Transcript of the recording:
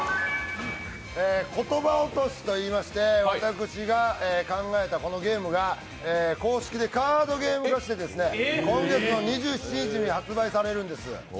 「ことば落とし」といいまして、私が考えたこのゲームが公式でカードゲーム化して今月２７日に発売されるんです。